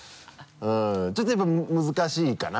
ちょっとやっぱ難しいかな？